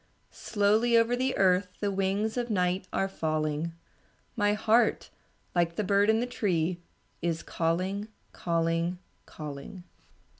Slowly over the earth The wings of night are falling; My heart like the bird in the tree Is calling, calling, calling.